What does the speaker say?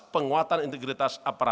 penguatan teknologi para